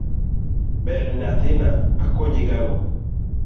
ber nyathina akonyi gang'o?